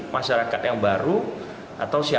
masyarakat yang baru atau siapa